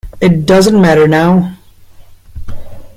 It doesn't matter now.